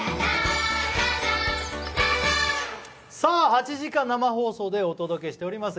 ８時間生放送でお送りしております